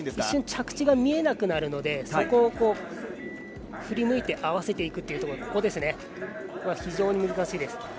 一瞬、着地が見えなくなるので、そこを振り向いて合わせていくところが非常に難しいです。